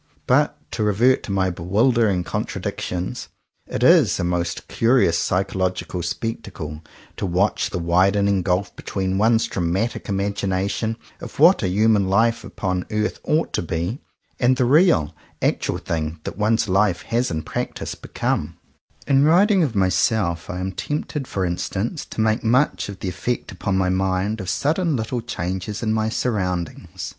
But — to revert to my bewildering con tradictions — it is a most curious psycholog ical spectacle to watch the widening gulf between one's dramatic imagination of what a human life upon earth ought to be, and the real, actual thing that one's life has in practice become. 121 CONFESSIONS OF TWO BROTHERS In writing of myself I am tempted, for instance, to make much of the effect upon my mind of sudden little changes in my surroundings.